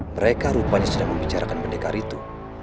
mereka rupanya sedang membicarakan pendekar itu